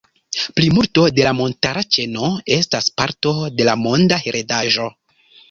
Plimulto de la montara ĉeno estas parto de la Monda heredaĵo.